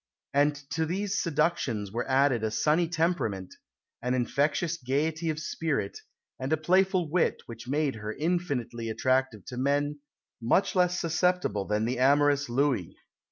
And to these seductions were added a sunny temperament, an infectious gaiety of spirit, and a playful wit which made her infinitely attractive to men much less susceptible that the amorous Louis.